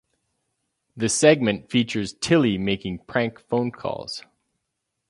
The segment features Tilley making prank phone calls.